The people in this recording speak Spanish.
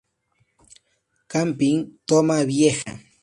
Camping Toma Vieja.